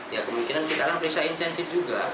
ya kemungkinan kita akan periksa intensif juga